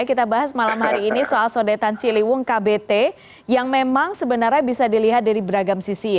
kita bahas malam hari ini soal sodetan ciliwung kbt yang memang sebenarnya bisa dilihat dari beragam sisi